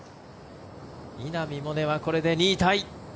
稲見萌寧はこれで２位タイ。